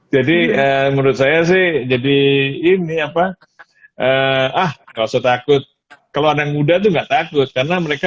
jadi menurut saya sih jadi ini apa ah nggak usah takut kalau orang muda nggak takut karena mereka